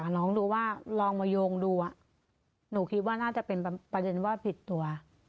น้องดูว่าลองมาโยงดูหนูคิดว่าน่าจะเป็นประเด็นว่าผิดตัว